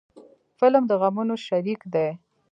فلم د غمونو شریک دی